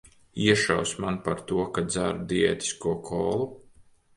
Iešausi man par to, ka dzeru diētisko kolu?